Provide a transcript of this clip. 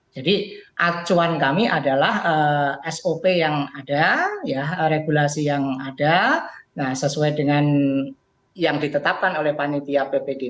jadi acuan kami adalah sop yang ada regulasi yang ada sesuai dengan yang ditetapkan oleh panitia ppdb